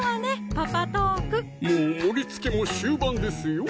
パパトークもう盛りつけも終盤ですよ